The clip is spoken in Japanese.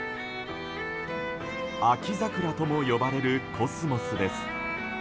秋桜とも呼ばれるコスモスです。